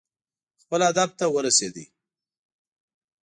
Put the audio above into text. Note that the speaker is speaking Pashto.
خپل هدف ته ورسېد.